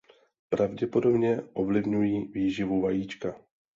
Pravděpodobně ovlivňují výživu vajíčka.